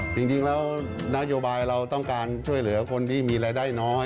จริงแล้วนโยบายเราต้องการช่วยเหลือคนที่มีรายได้น้อย